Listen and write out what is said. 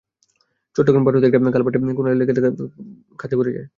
চট্টগ্রাম পার হতেই একটা কালভার্টের কোনায় গাড়িটা লেগে খাদের ভেতরে পড়ে যায়।